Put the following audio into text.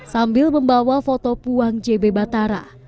sambil membawa foto puang jb batara